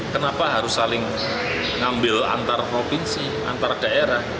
kenapa harus saling ngambil antar provinsi antar daerah